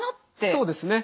そうですね。